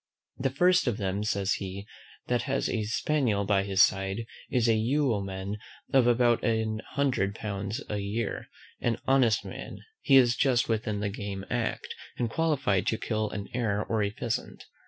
The first of them, says he, that has a spaniel by his side, is a yeoman of about an hundred pounds a year, an honest man: he is just within the game act, and qualified to kill an hare or a pheasant.